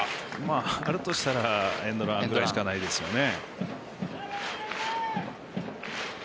あるとしたらエンドランしかないですよね。